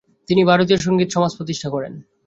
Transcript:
তিনি ভারতীয় সঙ্গীত সমাজ প্রতিষ্ঠা করেন।